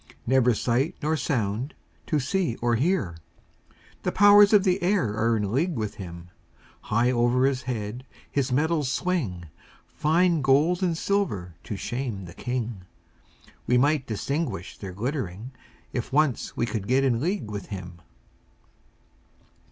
Never sight nor sound to see or hear; The powers of the air are in league with him; High over his head his metals swing, Fine gold and silver to shame the king; We might distinguish their glittering, If once we could get in league with him.